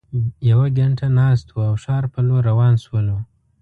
یوه ګینټه ناست وو او ښار په لور روان شولو.